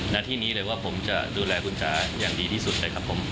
หน้าที่นี้เลยว่าผมจะดูแลคุณจ๋าอย่างดีที่สุดเลยครับผม